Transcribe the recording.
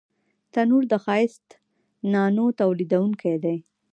تنور د ښایسته نانو تولیدوونکی دی